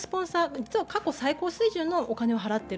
実は過去最高水準のお金を払っている。